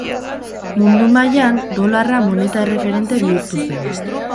Mundu mailan, dolarra moneta erreferente bihurtu zen.